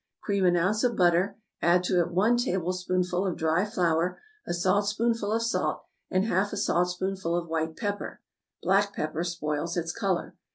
= Cream an ounce of butter; add to it one tablespoonful of dry flour, a saltspoonful of salt, and half a saltspoonful of white pepper (black pepper spoils its color).